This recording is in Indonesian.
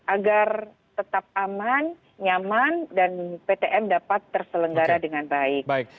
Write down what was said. agar tetap aman nyaman dan ptm dapat terselenggara dengan baik